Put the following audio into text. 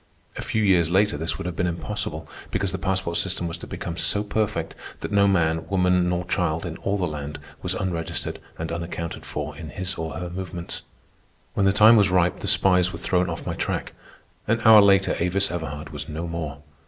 A few years later this would have been impossible, because the passport system was to become so perfect that no man, woman, nor child in all the land was unregistered and unaccounted for in his or her movements. When the time was ripe, the spies were thrown off my track. An hour later Avis Everhard was no more.